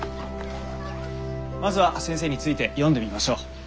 まずは先生について読んでみましょう。